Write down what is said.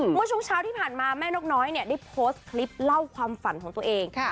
เมื่อช่วงเช้าที่ผ่านมาแม่นกน้อยเนี่ยได้โพสต์คลิปเล่าความฝันของตัวเอง